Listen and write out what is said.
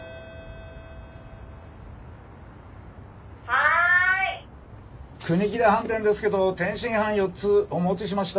「はーい」国木田飯店ですけど天津飯４つお持ちしました。